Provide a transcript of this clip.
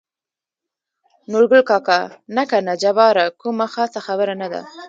نورګل کاکا: نه کنه جباره کومه خاصه خبره نه ده.